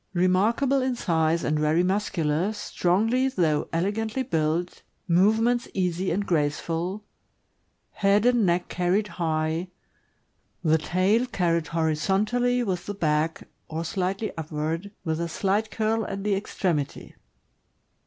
Remarkable in size and very muscular, strongly though elegantly built, move ments easy and graceful; head and neck carried high; the tail carried horizontally with the back, or slightly upward, with a slight curl at the extremity.